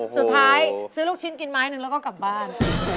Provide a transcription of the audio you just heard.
ซื้อลูกชิ้นกินไม้หนึ่งแล้วก็กลับบ้าน